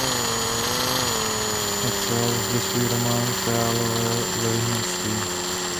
Napsal zde svůj román "Králové ve vyhnanství".